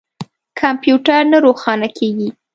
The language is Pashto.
کمپیوټر نه روښانه کیږي